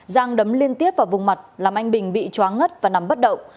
giang đấm liên tiếp vào vùng mặt làm anh bình bị chóng ngất và nằm bất động